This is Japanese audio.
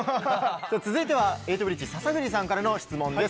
さぁ続いてはエイトブリッジ・篠栗さんからの質問です。